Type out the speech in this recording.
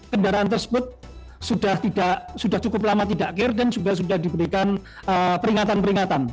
kendaraan tersebut sudah cukup lama tidak akhir dan juga sudah diberikan peringatan peringatan